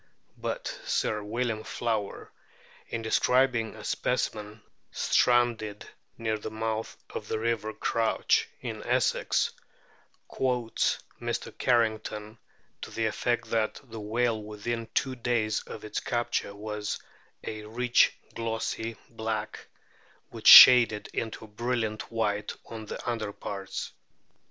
But Sir William Flower, in de scribing a specimen stranded near the mouth of the river Crouch, in Essex, quotes Mr. Carrington to the effect that the whale within two days of its capture was "a rich glossy black, which shaded into a brilliant white on the underparts."